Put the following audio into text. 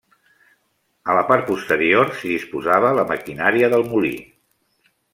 A la part posterior s'hi disposava la maquinària del molí.